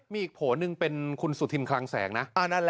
มีอีกโผล่หนึ่งเป็นคุณสุธินคลังแสงนะ